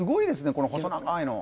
この細長いの。